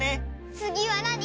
つぎはなに！？